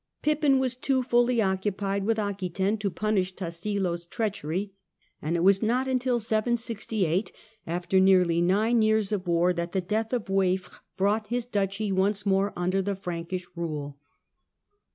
Pippin was too fully occupied with Aquetaine to punish Tassilo's treachery, and it was PIPPIN, KING OF THE FRANKS 119 not till 768, after nearly nine years of war, that the death of Waifer brought his duchy once more under the Frankish rule.